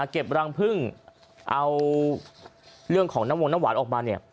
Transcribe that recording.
เก็บรังพึ่งเอาเรื่องของน้ำวงน้ำหวานออกมาเนี่ย